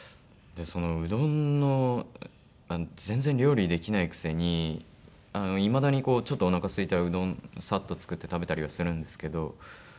うどんの全然料理できないくせにいまだにちょっとおなかすいたらうどんサッと作って食べたりはするんですけど。